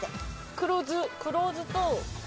黒酢黒酢と。